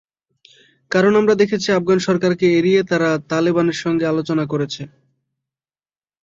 কারণ, আমরা দেখেছি, আফগান সরকারকে এড়িয়ে তারা তালেবানের সঙ্গে আলোচনা করেছে।